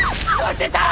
出た！